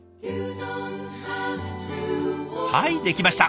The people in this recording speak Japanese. はい出来ました。